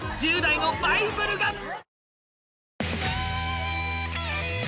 １０代のバイブルが！